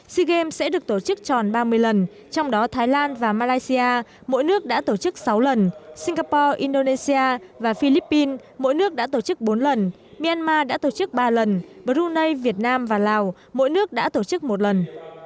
sea games sẽ được tổ chức tròn ba mươi lần trong đó thái lan và malaysia mỗi nước đã tổ chức sáu lần singapore indonesia và philippines mỗi nước đã tổ chức bốn lần myanmar đã tổ chức ba lần brunei việt nam và lào mỗi nước đã tổ chức một lần